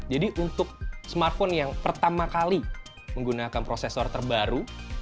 untuk smartphone yang pertama kali menggunakan prosesor terbaru